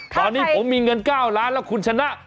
ตอนนี้ผมมีเงิน๙ล้านแล้วคุณชนะ